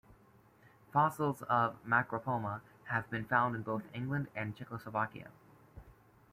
Fossils of "Macropoma" have been found in both England and Czechoslovakia.